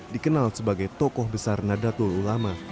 dikenal sebagai tokoh besar nadatul ulama